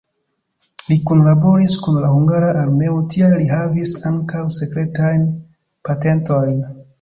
Li kunlaboris kun la hungara armeo, tial li havis ankaŭ sekretajn patentojn.